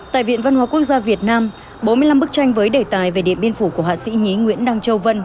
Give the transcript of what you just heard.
tại viện văn hóa quốc gia việt nam bốn mươi năm bức tranh với đề tài về điện biên phủ của hạ sĩ nhí nguyễn đăng châu vân